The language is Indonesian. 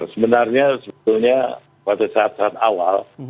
sebenarnya sebetulnya pada saat saat awal